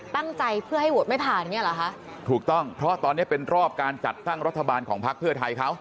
ตั้งใจเพื่อให้โหวตไม่ผ่านเนี่ยเหรอคะถูกต้องเพราะตอนเนี้ยเป็นรอบการจัดตั้งรัฐบาลของพักเพื่อไทยเขา